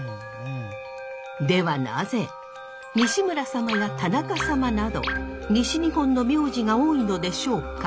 ではなぜ西村様や田中様など西日本の名字が多いのでしょうか。